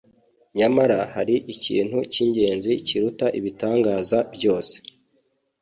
Nyamara hari ikintu cy'ingenzi kiruta ibitangaza byose.